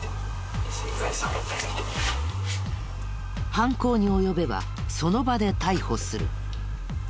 犯行に及べばその場で逮捕する。